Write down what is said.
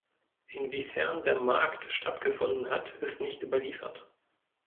Inwiefern der Markt stattgefunden hat, ist nicht überliefert.